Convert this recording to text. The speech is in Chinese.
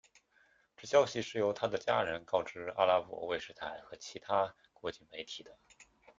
这消息是由他的家人告知阿拉伯卫视台和其他国际媒体的。